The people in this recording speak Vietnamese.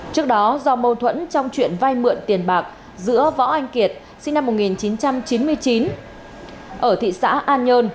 trước đó do mâu thuẫn trong chuyện vay mượn tiền bạc giữa võ anh kiệt sinh năm một nghìn chín trăm chín mươi chín ở thị xã an nhơn